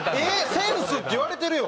「センス」って言われてるよ。